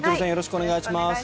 お願いします。